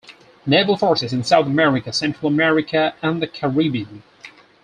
Naval Forces in South America, Central America and the Caribbean.